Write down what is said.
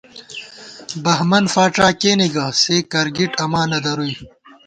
بہمن فاڄا کېنےگہ، سے کرگِٹ اماں نہ درُوئی